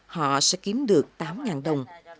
họ sẽ kiếm được tám ngàn đồng